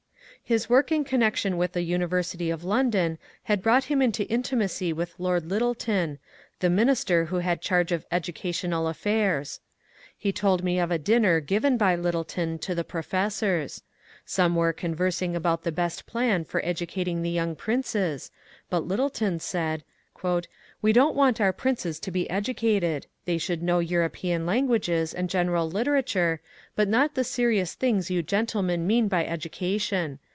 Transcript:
His work in connection with the University of London had brought him into intimacy with Lord Lyttleton, the min ister who bad charge of educational affairs. He told me of a dinner given by Lyttleton to the professors. Some were conversing about the best plan for educating the young princes, but Lyttleton said, '* We don't want our princes to be educated. They shoald know European languages and general literature, but not the serious things you gentlemen mean by education."